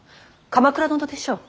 鎌倉殿でしょう。